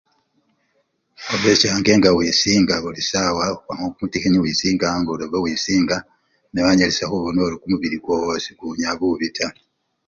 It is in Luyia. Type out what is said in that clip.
Obechange nga wisinga buli sawa khukhwama kumutikhinyi wisinga angolobe wisinga newanyalisya khubona ori kumubili kwowo sekuwunya bubii taa.